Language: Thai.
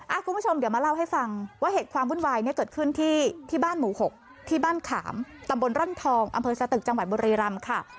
คุณผู้ชมเดี๋ยวมาเล่าให้ฟังว่าเหตุความวุ่นวายเนี่ยเกิดขึ้นที่ที่บ้านหมู่หกที่บ้านขามตำบลร่อนทองอำเภอสตึกจังหวัดบุรีรำค่ะ